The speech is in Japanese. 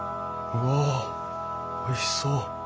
うわおいしそう。